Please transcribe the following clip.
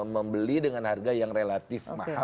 membeli dengan harga yang relatif mahal